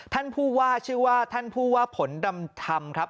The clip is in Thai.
ท่านผู้ว่าชื่อว่าท่านผู้ว่าผลดำธรรมครับ